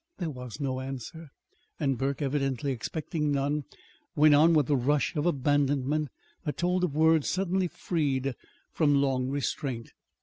There was no answer; and Burke, evidently expecting none, went on with the rush of abandonment that told of words suddenly freed from long restraint.